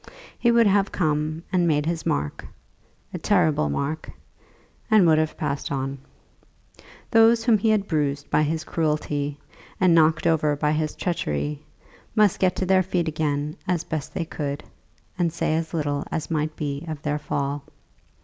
He would have come and made his mark, a terrible mark, and would have passed on. Those whom he had bruised by his cruelty, and knocked over by his treachery, must get to their feet again as best they could, and say as little as might be of their fall.